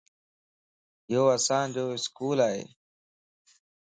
يو اسان جو اسڪول ائي